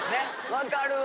分かるわ。